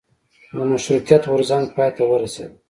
د مشروطیت غورځنګ پای ته ورسیده.